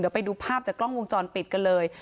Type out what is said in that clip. เดี๋ยวไปดูภาพจากกล้องวงจรปิดกันเลย